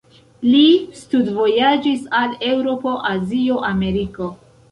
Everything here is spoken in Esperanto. Li studvojaĝis al Eŭropo, Azio, Ameriko.